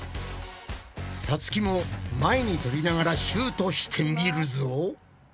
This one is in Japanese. さつきも前にとびながらシュートしてみるぞ。